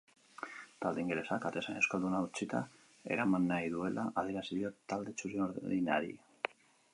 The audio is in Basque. Talde ingelesak atezain euskalduna utzita eraman nahi duela adierazi dio talde txuri-urdinari.